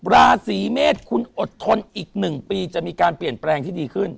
ราศีเมษคุณอดทนอีก๑ปีจะมีการเปลี่ยนแปลงที่ดีขึ้น